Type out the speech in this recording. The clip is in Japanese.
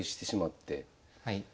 はい。